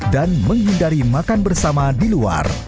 dan menghindari makan bersama di luar